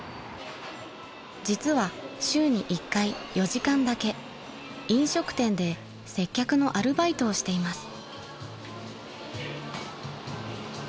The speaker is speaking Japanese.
［実は週に１回４時間だけ飲食店で接客のアルバイトをしています］